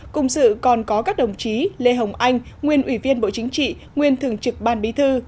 cùng dự còn có các đồng chí lê hồng anh nguyên ủy viên bộ chính trị nguyên thường trực ban bí thư